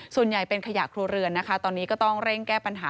ส่วนใหญ่เป็นขยะครัวเรือนนะคะตอนนี้ก็ต้องเร่งแก้ปัญหา